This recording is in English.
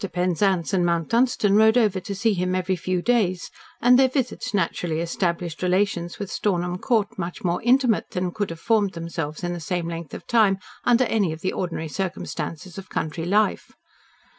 Penzance and Mount Dunstan rode over to see him every few days, and their visits naturally established relations with Stornham Court much more intimate than could have formed themselves in the same length of time under any of the ordinary circumstances of country life.